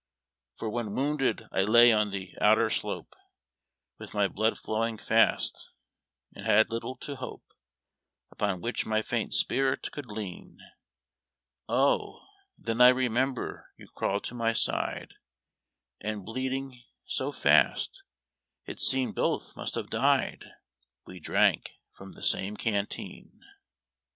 For when wounded I lay on the oiaer slope, With my blood flowing fast, and but little to hope Upon which my faint spirit could lean, Oh, then I remember you crawled to my side, And, bleeding so fast it seemed both must have died, We drank from the same canteen.